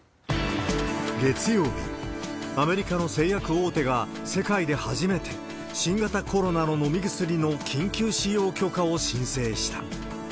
月曜日、アメリカの製薬大手が世界で初めて、新型コロナの飲み薬の緊急使用許可を申請した。